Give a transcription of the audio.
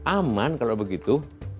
aman kalau begitu